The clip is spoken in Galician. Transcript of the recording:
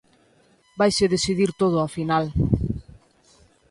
Vaise decidir todo ao final.